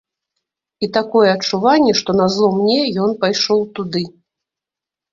І такое адчуванне, што назло мне ён пайшоў туды.